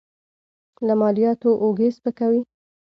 له مالیاتو اوږې سپکوي.